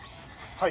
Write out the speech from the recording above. はい。